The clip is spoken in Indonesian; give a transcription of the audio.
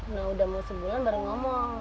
nah udah mau sebulan baru ngomong